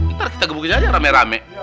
ntar kita gebukin aja rame rame